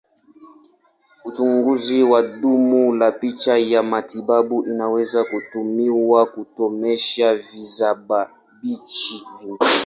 Uchunguzi wa damu na picha ya matibabu inaweza kutumiwa kukomesha visababishi vingine.